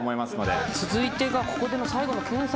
続いてがここでの最後の検査に。